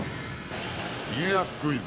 家康クイズ